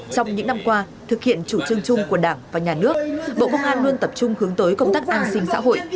trong những năm qua thực hiện chủ trương chung của đảng và nhà nước bộ công an luôn tập trung hướng tới công tác an sinh xã hội